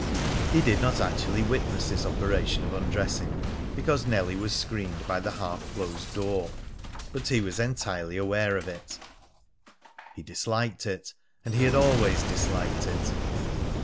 He did not actually witness this operation of undressing, because Nellie was screened by the half closed door; but he was entirely aware of it. He disliked it, and he had always disliked it.